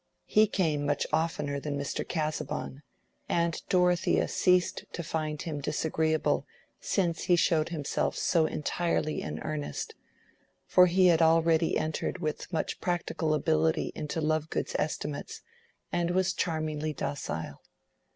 He came much oftener than Mr. Casaubon, and Dorothea ceased to find him disagreeable since he showed himself so entirely in earnest; for he had already entered with much practical ability into Lovegood's estimates, and was charmingly docile.